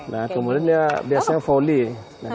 nah kemudian dia biasanya volley